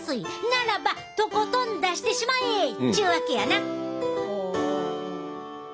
ならばとことん出してしまえっちゅうわけやな。